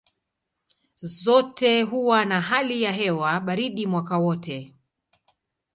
Zote huwa na hali ya hewa baridi mwaka wote.